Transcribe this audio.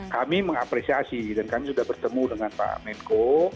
kami mengapresiasi dan kami sudah bertemu dengan pak menko